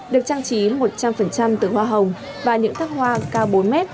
được trang trí một trăm linh từ hoa hồng và những thác hoa cao bốn m